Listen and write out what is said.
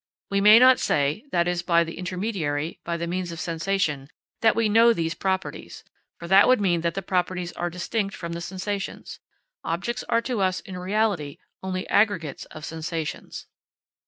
We may not say that it is by the intermediary, by the means of sensation, that we know these properties, for that would mean that the properties are distinct from the sensations. Objects are to us in reality only aggregates of sensations.